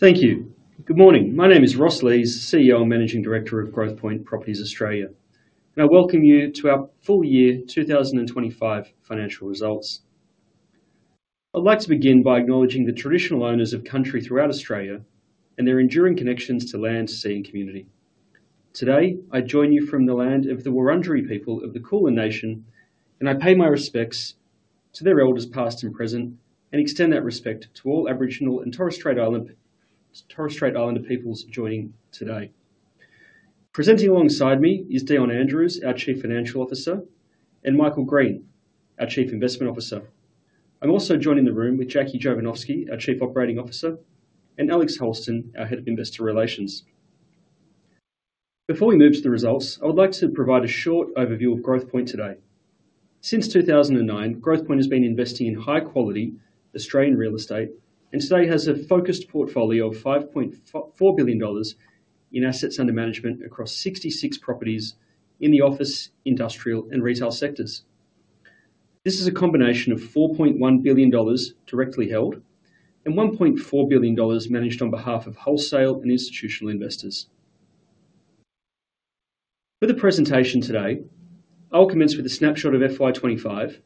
Thank you. Good morning. My name is Ross Lees, CEO and Managing Director of Growthpoint Properties Australia. I welcome you to our full year 2025 financial results. I'd like to begin by acknowledging the traditional owners of country throughout Australia and their enduring connections to land, sea, and community. Today, I join you from the land of the Wurundjeri people of the Kulin Nation, and I pay my respects to their elders, past and present, and extend that respect to all Aboriginal and Torres Strait Islander peoples joining today. Presenting alongside me is Dion Andrews, our Chief Financial Officer, and Michael Green, our Chief Investment Officer. I'm also joining the room with Jacqueline Jovanovski, our Chief Operating Officer, and Alix Holston, our Head of Investor Relations. Before we move to the results, I would like to provide a short overview of Growthpoint today. Since 2009, Growthpoint has been investing in high-quality Australian real estate and today has a focused portfolio of 5.4 billion dollars in assets under management across 66 properties in the office, industrial, and retail sectors. This is a combination of 4.1 billion dollars directly held and 1.4 billion dollars managed on behalf of wholesale and institutional investors. For the presentation today, I'll commence with a snapshot of FY25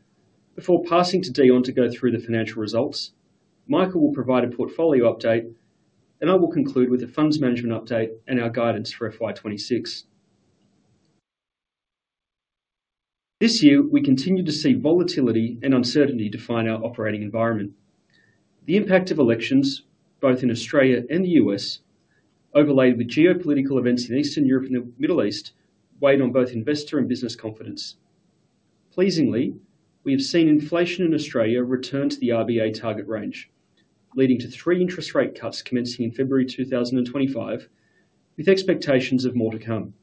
before passing to Dion to go through the financial results. Michael will provide a portfolio update, and I will conclude with a funds management update and our guidance for FY26. This year, we continue to see volatility and uncertainty define our operating environment. The impact of elections, both in Australia and the U.S., overlaid with geopolitical events in Eastern Europe and the Middle East, weighed on both investor and business confidence. Pleasingly, we have seen inflation in Australia return to the RBA target range, leading to three interest rate cuts commencing in February 2025, with expectations of more to come.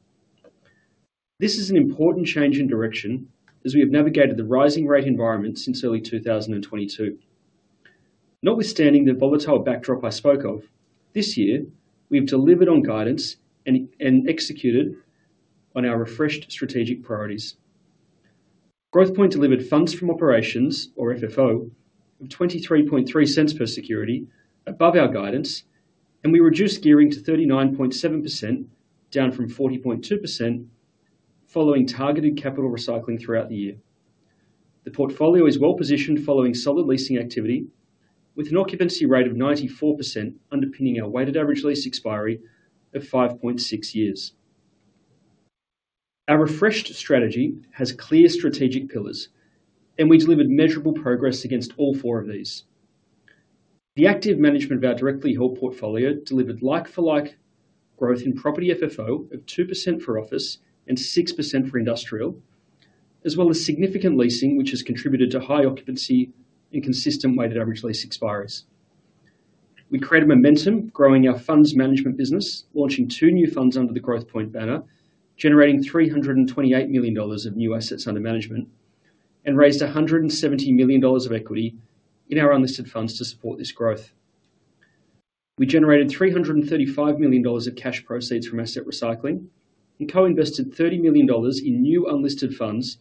This is an important change in direction as we have navigated the rising rate environment since early 2022. Notwithstanding the volatile backdrop I spoke of, this year, we have delivered on guidance and executed on our refreshed strategic priorities. Growthpoint delivered funds from operations, or FFO, of 23.3 per security above our guidance, and we reduced gearing to 39.7%, down from 40.2% following targeted capital recycling throughout the year. The portfolio is well positioned following solid leasing activity, with an occupancy rate of 94% underpinning our weighted average lease expiry of 5.6 years. Our refreshed strategy has clear strategic pillars, and we delivered measurable progress against all four of these. The active management of our directly held portfolio delivered like-for-like growth in property FFO of 2% for office and 6% for industrial, as well as significant leasing, which has contributed to high occupancy and consistent weighted average lease expiries. We created momentum growing our funds management business, launching two new funds under the Growthpoint banner, generating 328 million dollars of new assets under management, and raised 170 million dollars of equity in our unlisted funds to support this growth. We generated 335 million dollars of cash proceeds from asset recycling and co-invested 30 million dollars in new unlisted funds,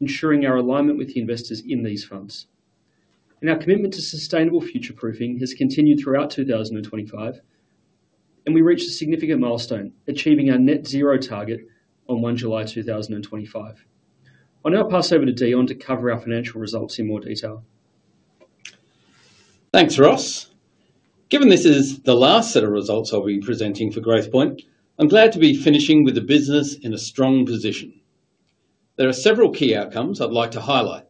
ensuring our alignment with the investors in these funds. Our commitment to sustainable future proofing has continued throughout 2025, and we reached a significant milestone, achieving our net zero target on 1 July, 2025. I'll now pass over to Dion to cover our financial results in more detail. Thanks, Ross. Given this is the last set of results I'll be presenting for Growthpoint, I'm glad to be finishing with the business in a strong position. There are several key outcomes I'd like to highlight.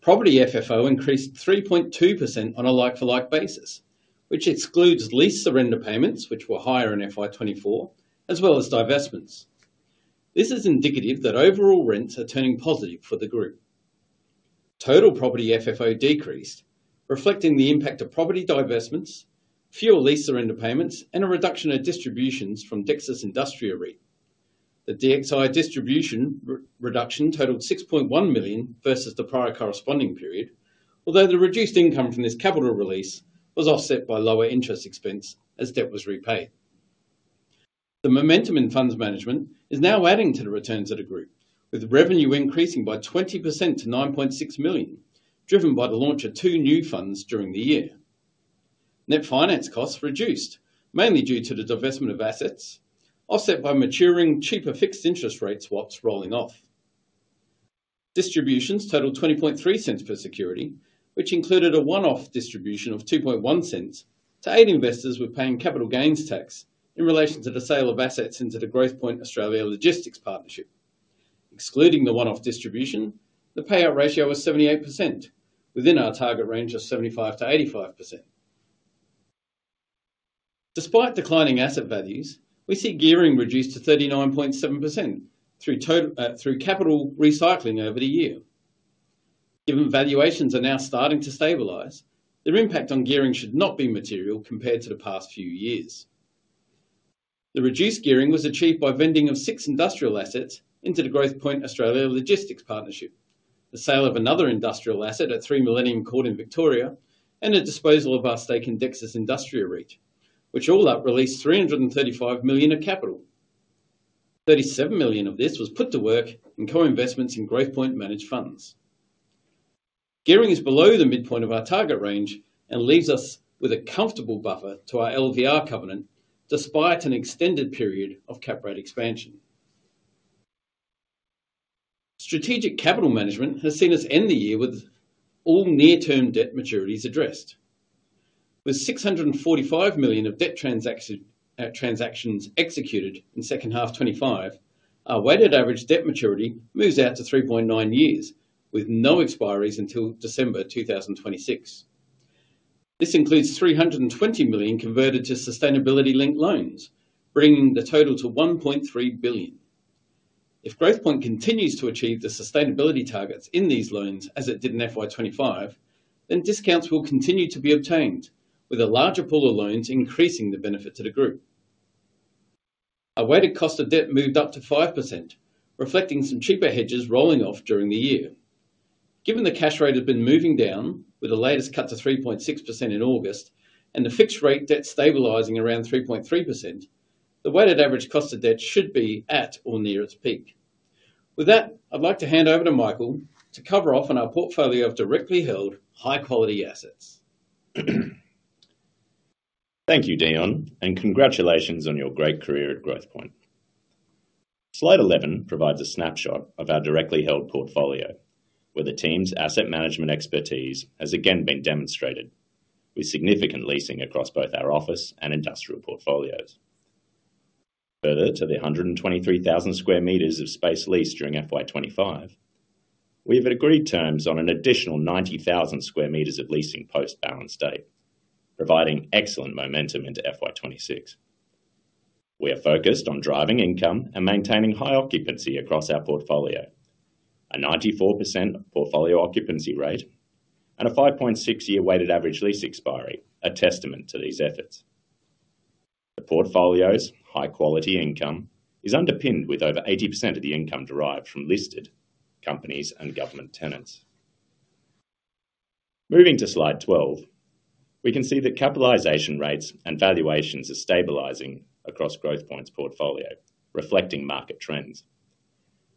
Property FFO increased 3.2% on a like-for-like basis, which excludes lease surrender payments, which were higher in FY2024, as well as divestments. This is indicative that overall rents are turning positive for the group. Total property FFO decreased, reflecting the impact of property divestments, fewer lease surrender payments, and a reduction of distributions from Dexus industria REIT. The DXI distribution reduction totaled 6.1 million versus the prior corresponding period, although the reduced income from this capital release was offset by lower interest expense as debt was repaid. The momentum in funds management is now adding to the returns of the group, with revenue increasing by 20% to 9.6 million, driven by the launch of two new funds during the year. Net finance costs reduced, mainly due to the divestment of assets, offset by maturing cheaper fixed interest rate swaps rolling off. Distributions totaled 20.3 per security, which included a one-off distribution of 2.1 to aid investors with paying capital gains tax in relation to the sale of assets into the Growthpoint Australia Logistics Partnership. Excluding the one-off distribution, the payout ratio was 78%, within our target range of 75-85%. Despite declining asset values, we see gearing reduced to 39.7% through capital recycling over the year. Given valuations are now starting to stabilize, their impact on gearing should not be material compared to the past few years. The reduced gearing was achieved by vending of six industrial assets into the Growthpoint Australia Logistics Partnership, the sale of another industrial asset at 3 Millennium Court in Victoria, and the disposal of our stake in Dexus Industria REIT, which all out-released 335 million of capital. 37 million of this was put to work in co-investments in Growthpoint managed funds. Gearing is below the midpoint of our target range and leaves us with a comfortable buffer to our LVR covenant, despite an extended period of cap rate expansion. Strategic capital management has seen us end the year with all near-term debt maturities addressed. With 645 million of debt transactions executed in second half 2025, our weighted average debt maturity moves out to 3.9 years, with no expiry until December 2026. This includes 320 million converted to sustainability-linked loans, bringing the total to 1.3 billion. If Growthpoint continues to achieve the sustainability targets in these loans as it did in FY25, then discounts will continue to be obtained, with a larger pool of loans increasing the benefit to the group. Our weighted cost of debt moved up to 5%, reflecting some cheaper hedges rolling off during the year. Given the cash rate has been moving down, with the latest cut to 3.6% in August, and the fixed rate debt stabilizing around 3.3%, the weighted average cost of debt should be at or near its peak. With that, I'd like to hand over to Michael to cover off on our portfolio of directly held high-quality assets. Thank you, Dion, and congratulations on your great career at Growthpoint. Slide 11 provides a snapshot of our directly held portfolio, where the team's asset management expertise has again been demonstrated, with significant leasing across both our office and industrial portfolios. Further to the 123,000 sq m of space leased during FY25, we have at agreed terms on an additional 90,000 sq m of leasing post-balance date, providing excellent momentum into FY26. We are focused on driving income and maintaining high occupancy across our portfolio, a 94% portfolio occupancy rate, and a 5.6-year weighted average lease expiry, a testament to these efforts. The portfolio's high-quality income is underpinned with over 80% of the income derived from listed companies and government tenants. Moving to slide 12, we can see the capitalization rates and valuations are stabilizing across Growthpoint's portfolio, reflecting market trends.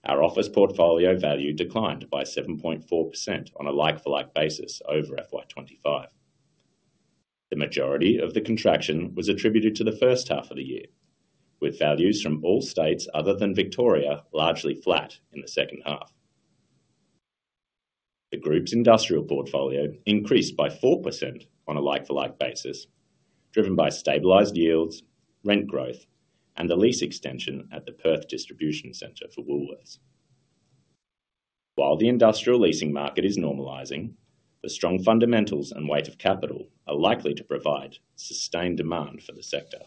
Our office portfolio value declined by 7.4% on a like-for-like basis over FY25. The majority of the contraction was attributed to the first half of the year, with values from all states other than Victoria largely flat in the second half. The group's industrial portfolio increased by 4% on a like-for-like basis, driven by stabilized yields, rent growth, and the lease extension at the Perth Distribution Centre for Woolworths. While the industrial leasing market is normalizing, the strong fundamentals and weight of capital are likely to provide sustained demand for the sector.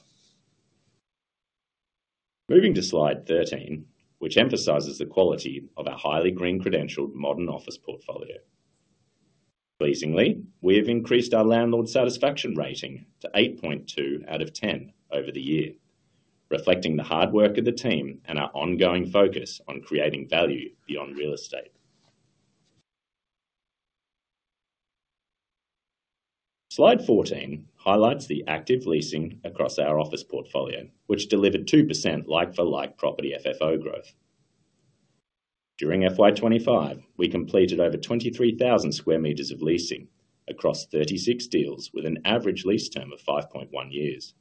Moving to slide 13, which emphasizes the quality of our highly green credentialed modern office portfolio. Pleasingly, we have increased our landlord satisfaction rating to 8.2 out of 10 over the year, reflecting the hard work of the team and our ongoing focus on creating value beyond real estate. Slide 14 highlights the active leasing across our office portfolio, which delivered 2% like-for-like property FFO growth. During FY25, we completed over 23,000 sq m of leasing across 36 deals with an average lease term of 5.1 years,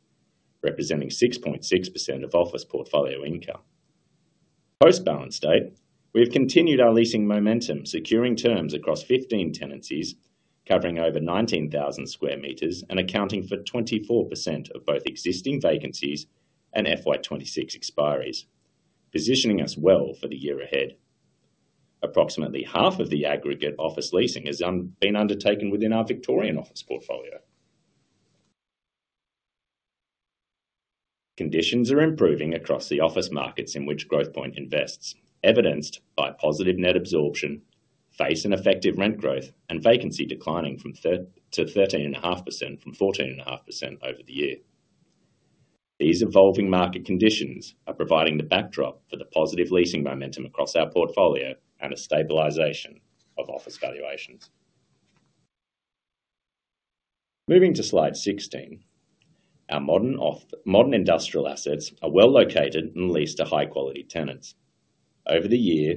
representing 6.6% of office portfolio income. Post-balance date, we have continued our leasing momentum, securing terms across 15 tenancies, covering over 19,000 sq m and accounting for 24% of both existing vacancies and FY26 expires, positioning us well for the year ahead. Approximately half of the aggregate office leasing has been undertaken within our Victorian office portfolio. Conditions are improving across the office markets in which Growthpoint invests, evidenced by positive net absorption, face and effective rent growth, and vacancy declining from 13.5% to 14.5% over the year. These evolving market conditions are providing the backdrop for the positive leasing momentum across our portfolio and a stabilization of office valuations. Moving to slide 16, our modern industrial assets are well located and leased to high-quality tenants. Over the year,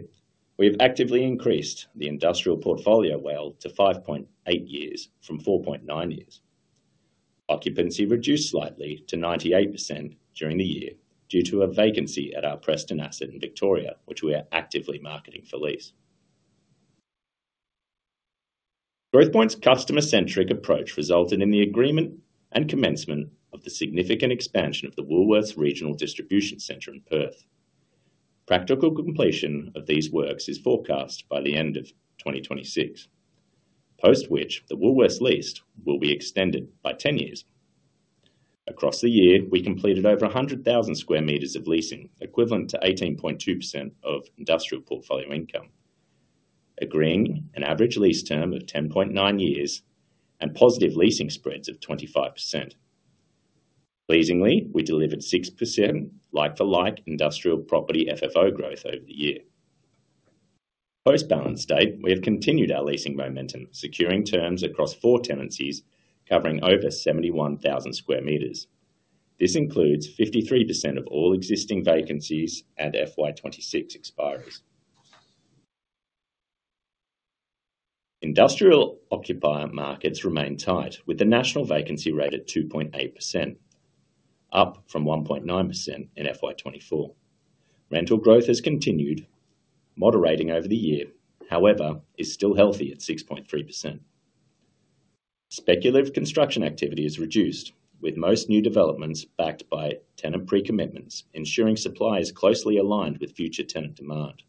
we have actively increased the industrial portfolio WALE to 5.8 years from 4.9 years. Occupancy reduced slightly to 98% during the year due to a vacancy at our Preston asset in Victoria, which we are actively marketing for lease. Growthpoint's customer-centric approach resulted in the agreement and commencement of the significant expansion of the Woolworths Regional Distribution Centre in Perth. Practical completion of these works is forecast by the end of 2026, post which the Woolworths lease will be extended by 10 years. Across the year, we completed over 100,000 sq m of leasing, equivalent to 18.2% of industrial portfolio income, agreeing an average lease term of 10.9 years and positive leasing spreads of 25%. Pleasingly, we delivered 6% like-for-like industrial property FFO growth over the year. Post-balance date, we have continued our leasing momentum, securing terms across four tenancies, covering over 71,000 sq m. This includes 53% of all existing vacancies and FY26 expires. Industrial occupant markets remain tight, with the national vacancy rate at 2.8%, up from 1.9% in FY24. Rental growth has continued, moderating over the year; however, it is still healthy at 6.3%. Speculative construction activity is reduced, with most new developments backed by tenant pre-commitments, ensuring supply is closely aligned with future tenant demand.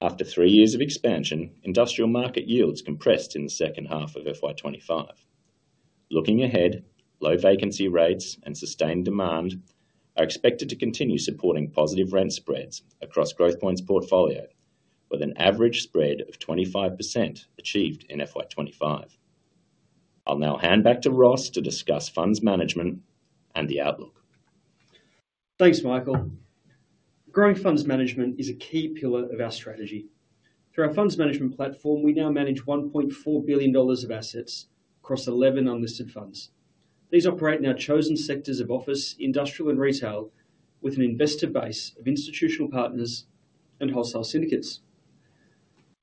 After three years of expansion, industrial market yields compressed in the second half of FY25. Looking ahead, low vacancy rates and sustained demand are expected to continue supporting positive rent spreads across Growthpoint's portfolio, with an average spread of 25% achieved in FY25. I'll now hand back to Ross to discuss funds management and the outlook. Thanks, Michael. Growing funds management is a key pillar of our strategy. Through our funds management platform, we now manage 1.4 billion dollars of assets across 11 unlisted funds. These operate in our chosen sectors of office, industrial, and retail, with an investor base of institutional partners and wholesale syndicates.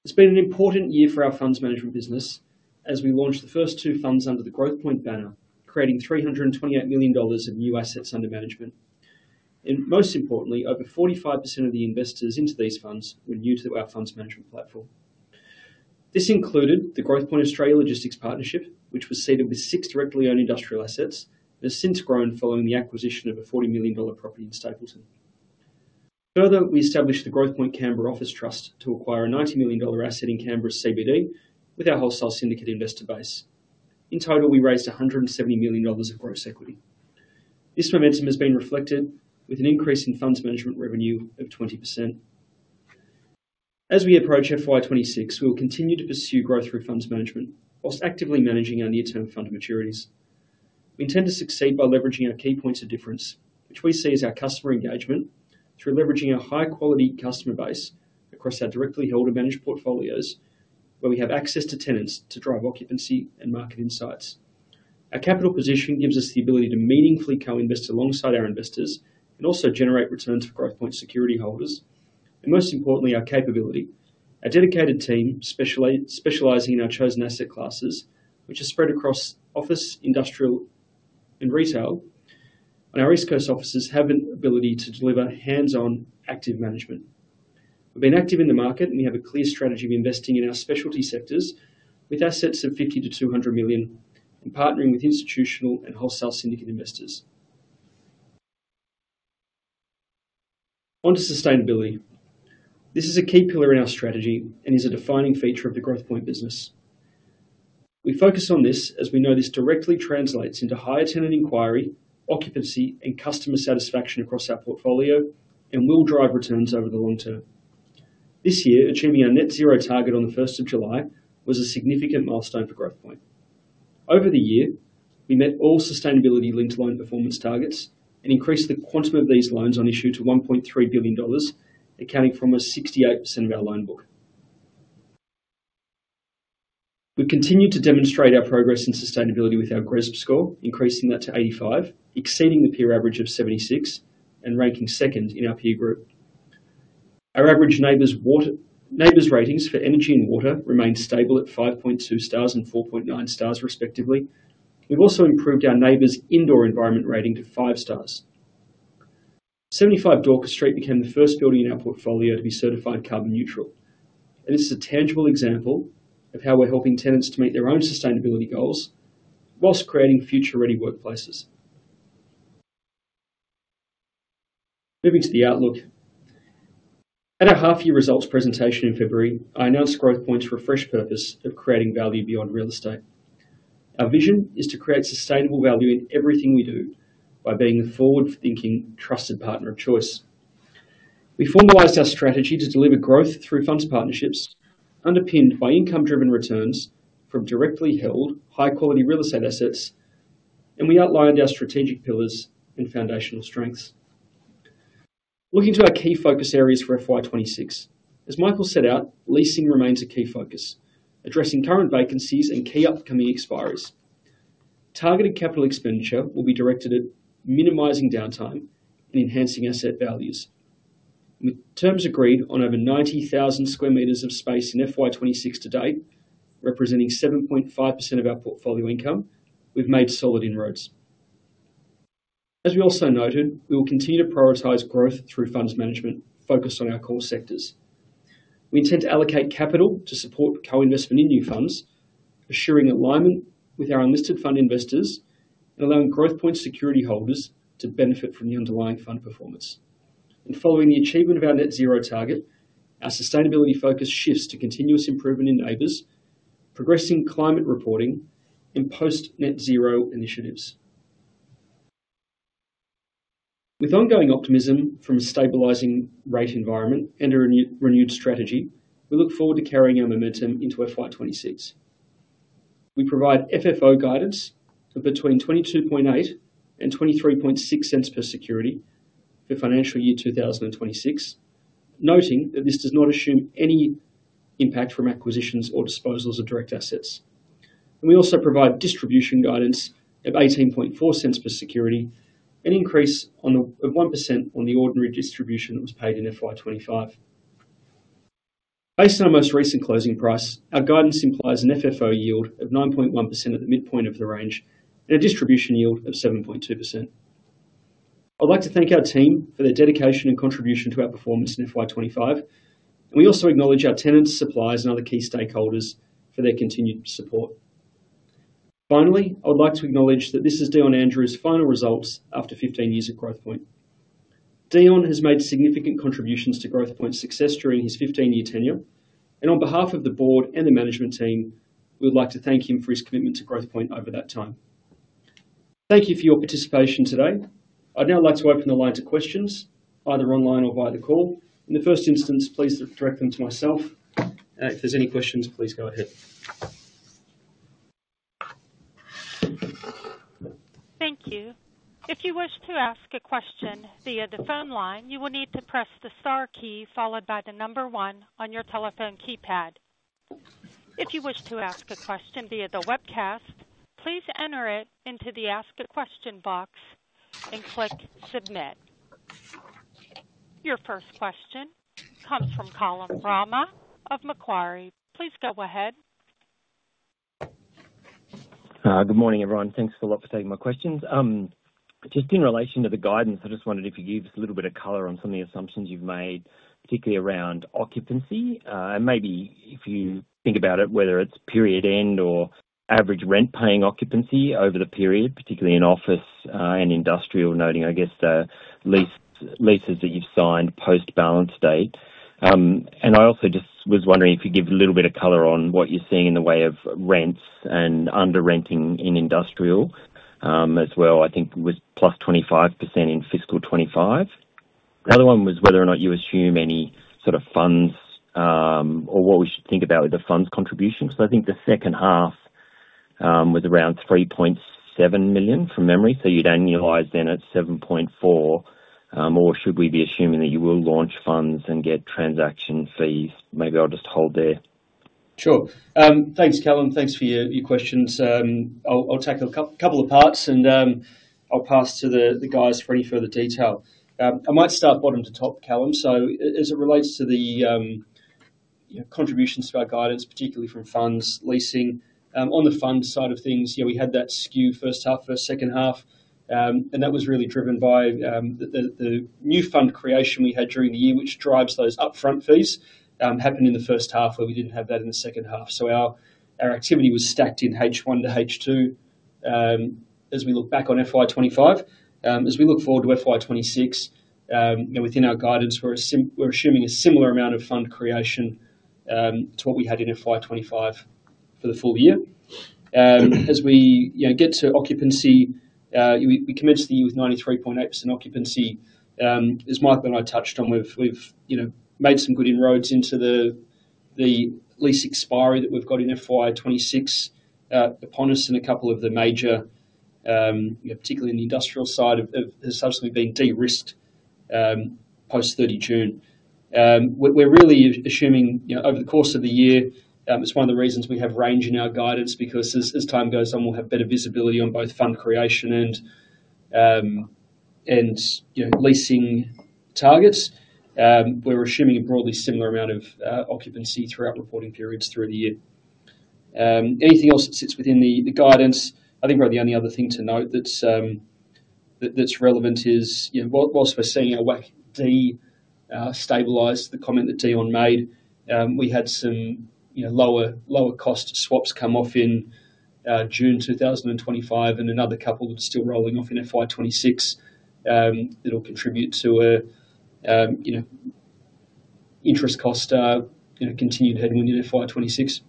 It's been an important year for our funds management business as we launched the first two funds under the Growthpoint banner, creating 328 million dollars in new assets under management. Most importantly, over 45% of the investors into these funds were new to our funds management platform. This included the Growthpoint Australia Logistics Partnership, which was seeded with six directly owned industrial assets and has since grown following the acquisition of a 40 million dollar property in Stapleton. Further, we established the Growthpoint Canberra Office Trust to acquire a 90 million dollar asset in Canberra CBD with our wholesale syndicate investor base. In total, we raised 170 million dollars of gross equity. This momentum has been reflected with an increase in funds management revenue of 20%. As we approach FY2026, we will continue to pursue growth through funds management, whilst actively managing our near-term fund maturities. We intend to succeed by leveraging our key points of difference, which we see as our customer engagement through leveraging our high-quality customer base across our directly held and managed portfolios, where we have access to tenants to drive occupancy and market insights. Our capital position gives us the ability to meaningfully co-invest alongside our investors and also generate returns for Growthpoint security holders. Most importantly, our capability. Our dedicated team specializes in our chosen asset classes, which are spread across office, industrial, and retail. Our East Coast offices have an ability to deliver hands-on active management. We've been active in the market and we have a clear strategy of investing in our specialty sectors with assets of 50 million-200 million and partnering with institutional and wholesale syndicate investors. On to sustainability. This is a key pillar in our strategy and is a defining feature of the Growthpoint business. We focus on this as we know this directly translates into higher tenant inquiry, occupancy, and customer satisfaction across our portfolio and will drive returns over the long term. This year, achieving our net zero target on the 1st of July was a significant milestone for Growthpoint. Over the year, we met all sustainability-linked loan performance targets and increased the quantum of these loans on issue to 1.3 billion dollars, accounting for almost 68% of our loan book. We've continued to demonstrate our progress in sustainability with our GRESB score, increasing that to 85, exceeding the peer average of 76, and ranking second in our peer group. Our average NABERS ratings for energy and water remain stable at 5.2 stars and 4.9 stars, respectively. We've also improved our NABERS indoor environment rating to five stars. 75 Dorker Street became the first building in our portfolio to be certified carbon neutral. This is a tangible example of how we're helping tenants to meet their own sustainability goals whilst creating future-ready workplaces. Moving to the outlook. At our half-year results presentation in February, I announced Growthpoint's refreshed purpose of creating value beyond real estate. Our vision is to create sustainable value in everything we do by being a forward-thinking, trusted partner of choice. We formalized our strategy to deliver growth through funds partnerships underpinned by income-driven returns from directly held high-quality real estate assets, and we outlined our strategic pillars and foundational strengths. Looking to our key focus areas for FY2026, as Michael set out, leasing remains a key focus, addressing current vacancies and key upcoming expiries. Targeted capital expenditure will be directed at minimizing downtime and enhancing asset values. With terms agreed on over 90,000 sq m of space in FY2026 to date, representing 7.5% of our portfolio income, we've made solid inroads. As we also noted, we will continue to prioritize growth through funds management, focused on our core sectors. We intend to allocate capital to support co-investment in new funds, assuring alignment with our unlisted fund investors and allowing Growthpoint security holders to benefit from the underlying fund performance. Following the achievement of our net zero target, our sustainability focus shifts to continuous improvement in NABERS, progressing climate reporting, and post-net zero initiatives. With ongoing optimism from a stabilizing rate environment and a renewed strategy, we look forward to carrying our momentum into FY2026. We provide FFO guidance of between 0.228 and 0.236 per security for financial year 2026, noting that this does not assume any impact from acquisitions or disposals of direct assets. We also provide distribution guidance of 0.184 per security, an increase of 1% on the ordinary distribution that was paid in FY2025. Based on our most recent closing price, our guidance implies an FFO yield of 9.1% at the midpoint of the range and a distribution yield of 7.2%. I'd like to thank our team for their dedication and contribution to our performance in FY2025, and we also acknowledge our tenants, suppliers, and other key stakeholders for their continued support. Finally, I would like to acknowledge that this is Dion Andrews' final results after 15 years at Growthpoint. Dion has made significant contributions to Growthpoint's success during his 15-year tenure, and on behalf of the board and the management team, we would like to thank him for his commitment to Growthpoint over that time. Thank you for your participation today. I'd now like to open the line to questions, either online or via the call. In the first instance, please direct them to myself. If there's any questions, please go ahead. Thank you. If you wish to ask a question via the phone line, you will need to press the star key followed by the number one on your telephone keypad. If you wish to ask a question via the webcast, please enter it into the ask a question box and click submit. Your first question comes from Callum Bramah of Macquarie. Please go ahead. Good morning, everyone. Thanks a lot for taking my questions. Just in relation to the guidance, I just wondered if you could give us a little bit of color on some of the assumptions you've made, particularly around occupancy. If you think about it, whether it's period end or average rent paying occupancy over the period, particularly in office and industrial, noting the leases that you've signed post-balance date. I also just was wondering if you could give a little bit of color on what you're seeing in the way of rents and underrenting in industrial as well. I think it was +25% in fiscal 2025. The other one was whether or not you assume any sort of funds or what we should think about with the funds contribution, because I think the second half was around 3.7 million from memory. You'd annualize then at 7.4 million, or should we be assuming that you will launch funds and get transaction fees? Maybe I'll just hold there. Sure. Thanks, Callum. Thanks for your questions. I'll tackle a couple of parts and I'll pass to the guys for any further detail. I might start bottom to top, Callum. As it relates to the contributions to our guidance, particularly from funds leasing, on the fund side of things, yeah, we had that skew first half, first second half, and that was really driven by the new fund creation we had during the year, which drives those upfront fees happening in the first half where we didn't have that in the second half. Our activity was stacked in H1 to H2 as we look back on FY2025. As we look forward to FY2026, you know, within our guidance, we're assuming a similar amount of fund creation to what we had in FY2025 for the full year. As we get to occupancy, we commenced the year with 93.8% occupancy. As Michael and I touched on, we've made some good inroads into the lease expiry that we've got in FY2026 upon us and a couple of the major, particularly in the industrial side, have subsequently been de-risked post 30 June. We're really assuming, you know, over the course of the year, it's one of the reasons we have range in our guidance because as time goes on, we'll have better visibility on both fund creation and leasing targets. We're assuming a broadly similar amount of occupancy throughout reporting periods through the year. Anything else that sits within the guidance? I think about the only other thing to note that's relevant is, you know, whilst we're seeing our debt stabilize, the comment that Dion made, we had some, you know, lower cost swaps come off in June 2025 and another couple that's still rolling off in FY2026. It'll contribute to an interest cost in a continued headwind in FY2026.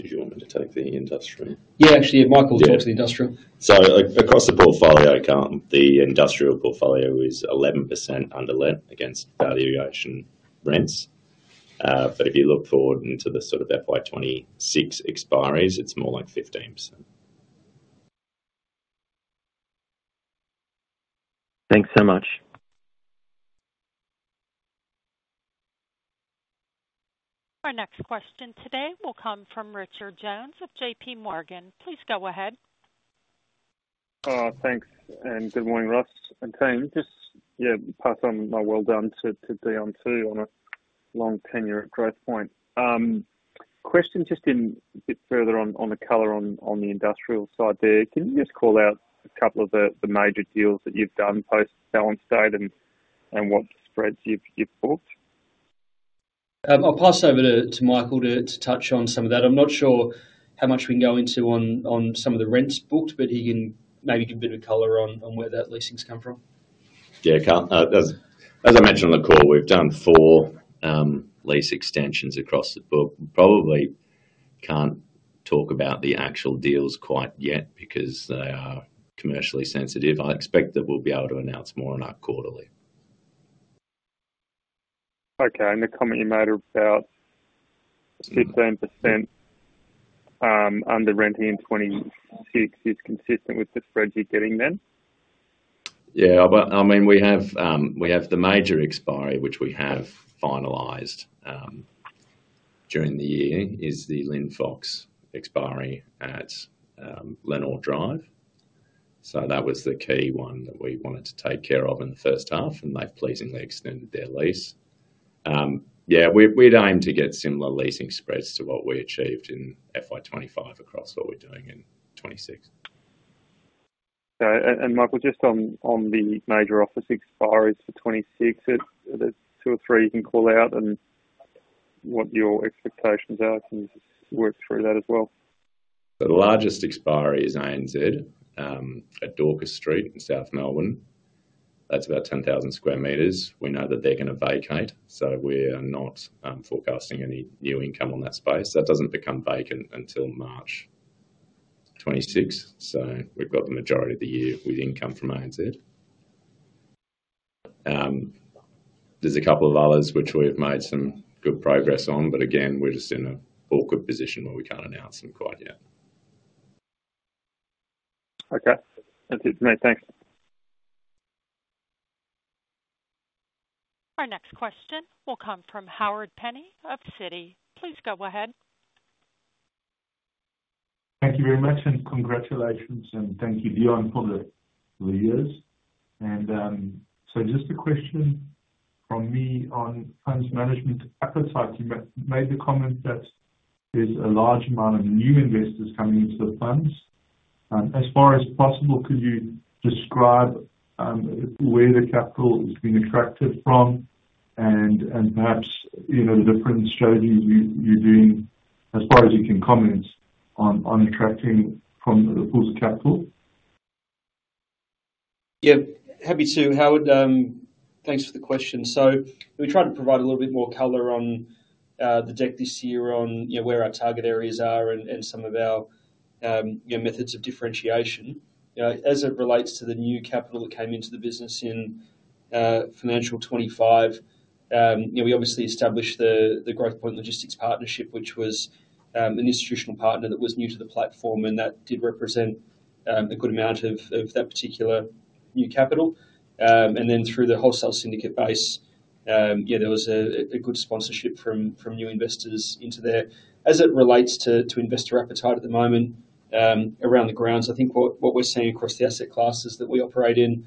Did you want me to take the industrial? Yeah, actually, Michael's talked to the industrial. Across the portfolio account, the industrial portfolio is 11% under lent against valuation rents. If you look forward to the sort of FY2026 expiry, it's more like 15%. Thanks so much. Our next question today will come from Richard Jones of JPMorgan. Please go ahead. Thanks, and good morning, Ross and team. Just pass on my well done to Dion too on a long tenure at Growthpoint. Question just in a bit further on the color on the industrial side there. Can you just call out a couple of the major deals that you've done post-balance date and what spreads you've booked? I'll pass over to Michael to touch on some of that. I'm not sure how much we can go into on some of the rents booked, but he can maybe give a bit of color on where that leasing's come from. As I mentioned on the call, we've done four lease extensions across the book. We probably can't talk about the actual deals quite yet because they are commercially sensitive. I expect that we'll be able to announce more on our quarterly. Okay, and the comment you made about 15% under renting in 2026 is consistent with the spreads you're getting then? Yeah, I mean, we have the major expiry, which we have finalized during the year, is the Linfox expiry at Lenore Drive. That was the key one that we wanted to take care of in the first half, and they pleasingly extended their lease. We'd aim to get similar leasing spreads to what we achieved in FY2025 across what we're doing in 2026. Michael, just on the major office expiry for 2026, are there two or three you can call out and what your expectations are? Can you work through that as well? The largest expiry is ANZ at Dorcas Street in South Melbourne. That's about 10,000 sq m. We know that they're going to vacate, so we are not forecasting any new income on that space. That doesn't become vacant until March 2026. We've got the majority of the year with income from ANZ. There are a couple of others which we've made some good progress on, but again, we're just in an awkward position where we can't announce them quite yet. Okay, that's it for me. Thanks. Our next question will come from Howard Penny of Citi. Please go ahead. Thank you very much and congratulations and thank you, Dion, for the years. Just a question from me on funds management. I felt like you made the comment that there's a large amount of new investors coming into the funds. As far as possible, could you describe where the capital is being attracted from and perhaps, you know, the difference you showed you're doing as far as you can comment on attracting from the pools of capital? Yeah, happy to, Howard. Thanks for the question. We tried to provide a little bit more color on the deck this year on, you know, where our target areas are and some of our, you know, methods of differentiation. As it relates to the new capital that came into the business in financial 2025, we obviously established the Growthpoint Logistics Partnership, which was an institutional partner that was new to the platform, and that did represent a good amount of that particular new capital. Through the wholesale syndicate base, there was a good sponsorship from new investors into there. As it relates to investor appetite at the moment around the grounds, I think what we're seeing across the asset classes that we operate in,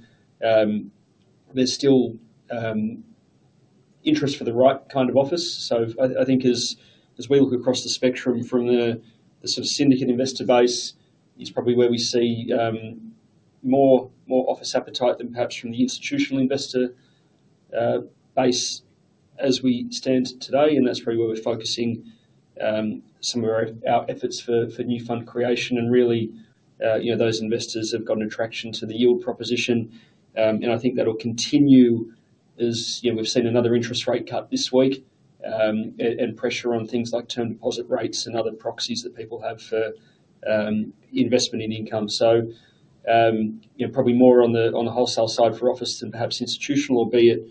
there's still interest for the right kind of office. I think as we look across the spectrum from the sort of syndicate investor base, it's probably where we see more office appetite than perhaps from the institutional investor base as we stand today. That's probably where we're focusing some of our efforts for new fund creation. Those investors have gotten attraction to the yield proposition. I think that'll continue as we've seen another interest rate cut this week and pressure on things like term deposit rates and other proxies that people have for investment in income. Probably more on the wholesale side for office than perhaps institutional, albeit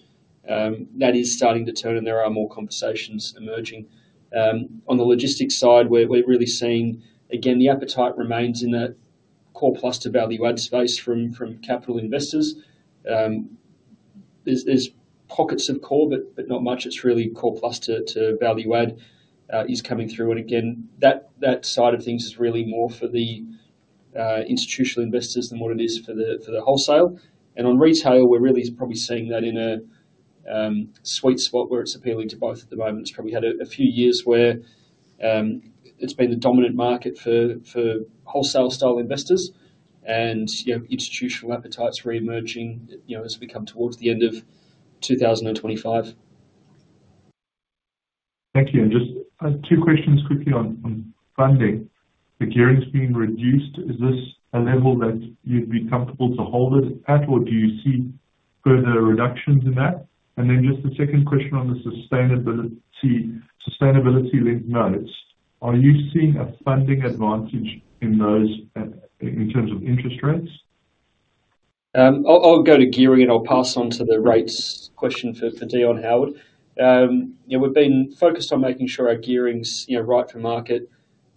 that is starting to turn and there are more conversations emerging. On the logistics side, we're really seeing, again, the appetite remains in the core plus to value add space from capital investors. There's pockets of core, but not much. It's really core plus to value add is coming through. That side of things is really more for the institutional investors than what it is for the wholesale. On retail, we're really probably seeing that in a sweet spot where it's appealing to both at the moment. It's probably had a few years where it's been the dominant market for wholesale style investors. Institutional appetites are reemerging as we come towards the end of 2025. Thank you. Just two questions quickly on funding. The gearing's being reduced. Is this a level that you'd be comfortable to hold it at, or do you see further reductions in that? The second question on the sustainability-linked notes. Are you seeing a funding advantage in those in terms of interest rates? I'll go to gearing, and I'll pass on to the rates question for Dion, Howard. We've been focused on making sure our gearing's right to market.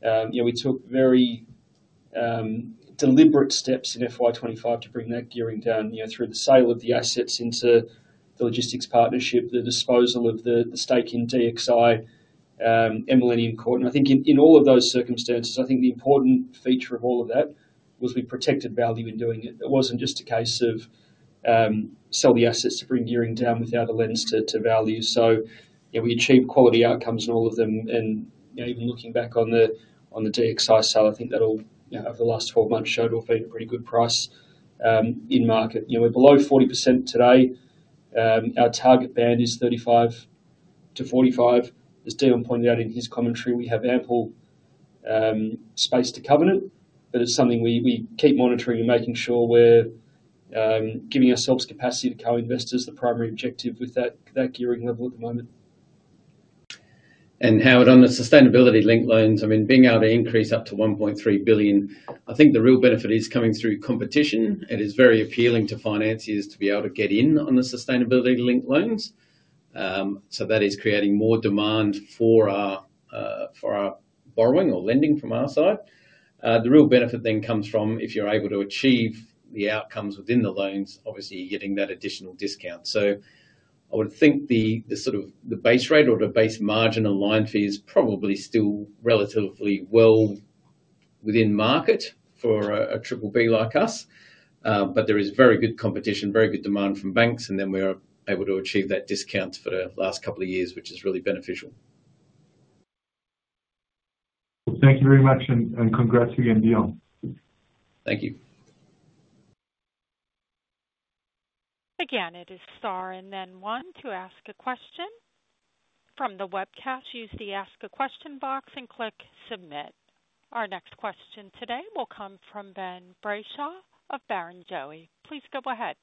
We took very deliberate steps in FY2025 to bring that gearing down through the sale of the assets into the Logistics Partnership, the disposal of the stake in DXI, and Millennium Court. I think in all of those circumstances, the important feature of all of that was we protected value in doing it. It wasn't just a case of sell the assets to bring gearing down without a lens to value. We achieved quality outcomes in all of them. Even looking back on the DXI sale, I think that all over the last 12 months showed off a pretty good price in market. We're below 40% today. Our target band is 35%-45%. As Dion pointed out in his commentary, we have ample space to cover it. It's something we keep monitoring and making sure we're giving ourselves capacity to co-invest as the primary objective with that gearing level at the moment. On the sustainability-linked loans, being able to increase up to 1.3 billion, I think the real benefit is coming through competition. It is very appealing to financiers to be able to get in on the sustainability-linked loans. That is creating more demand for our borrowing or lending from our side. The real benefit then comes from if you're able to achieve the outcomes within the loans, obviously you're getting that additional discount. I would think the base rate or the base margin aligned fee is probably still relatively well within market for a triple B like us. There is very good competition, very good demand from banks, and then we're able to achieve that discount for the last couple of years, which is really beneficial. Thank you very much, and congrats again, Dion. Thank you. Again, it is star and then one to ask a question. From the webcast, use the ask a question box and click submit. Our next question today will come from Ben Brayshaw of Barrenjoey. Please go ahead.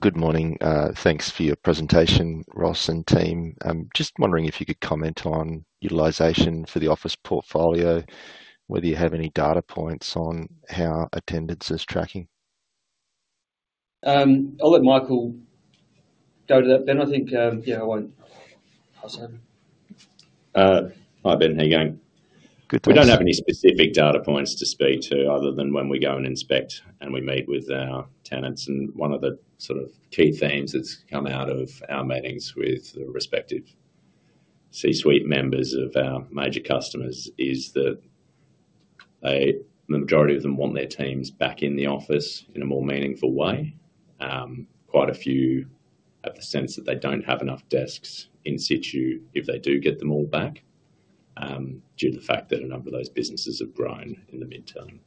Good morning. Thanks for your presentation, Ross and team. I'm just wondering if you could comment on utilization for the office portfolio, whether you have any data points on how attendance is tracking. I'll let Michael go to that, Ben. I think I won't. All right, Ben, here you go. We don't have any specific data points to speak to other than when we go and inspect and we meet with our tenants. One of the key themes that's come out of our meetings with the respective C-suite members of our major customers is that the majority of them want their teams back in the office in a more meaningful way. Quite a few have the sense that they don't have enough desks in situ if they do get them all back due to the fact that a number of those businesses have grown in the midterm.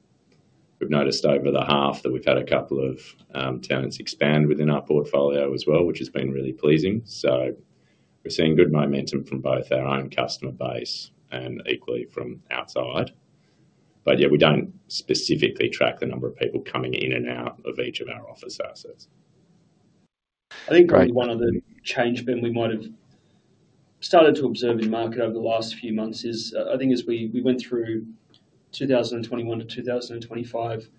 We've noticed over the half that we've had a couple of tenants expand within our portfolio as well, which has been really pleasing. We're seeing good momentum from both our own customer base and equally from outside. We don't specifically track the number of people coming in and out of each of our office assets. I think one other change, Ben, we might have started to observe in market over the last few months is I think as we went through 2021 to 2025,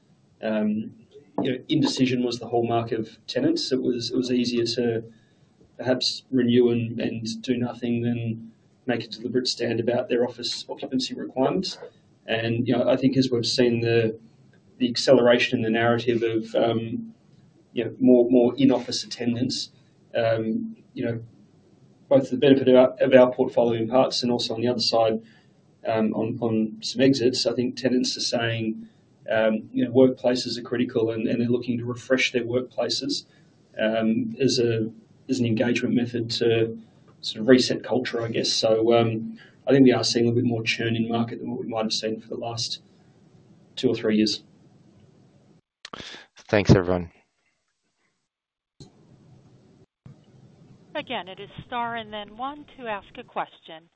indecision was the hallmark of tenants. It was easier to perhaps renew and do nothing than make a deliberate stand about their office occupancy requirements. I think as we've seen the acceleration in the narrative of more in-office attendance, both the benefit of our portfolio in parts and also on the other side on some exits. I think tenants are saying workplaces are critical and they're looking to refresh their workplaces as an engagement method to sort of reset culture, I guess. I think we are seeing a little bit more churn in market than what we might have seen for the last two or three years. Thanks, everyone. Again, it is star and then one to ask a question.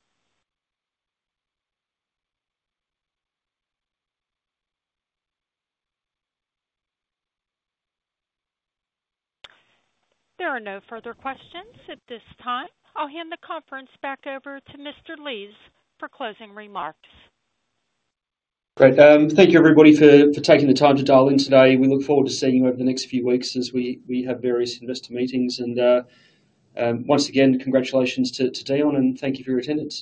There are no further questions at this time. I'll hand the conference back over to Mr. Lees for closing remarks. Great. Thank you, everybody, for taking the time to dial in today. We look forward to seeing you over the next few weeks as we have various investor meetings. Once again, congratulations to Dion and thank you for your attendance.